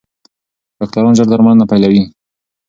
ډاکټران ژر درملنه پیلوي.